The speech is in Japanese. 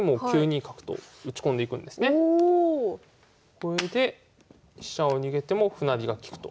これで飛車を逃げても歩成りが利くと。